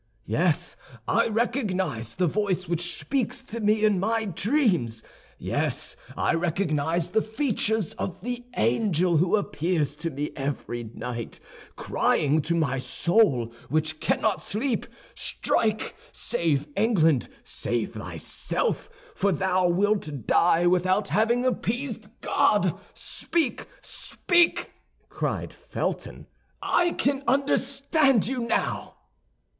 "Yes, I recognize the voice which speaks to me in my dreams; yes, I recognize the features of the angel who appears to me every night, crying to my soul, which cannot sleep: 'Strike, save England, save thyself—for thou wilt die without having appeased God!' Speak, speak!" cried Felton, "I can understand you now."